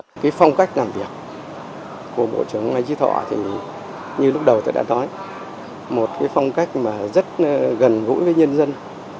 cái phong cách làm việc của bộ trưởng may trí thọ thì như lúc đầu tôi đã nói một cái phong cách mà rất gần gũi với nhân dân